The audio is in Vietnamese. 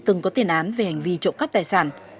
từng có tiền án về hành vi trộm cắp tài sản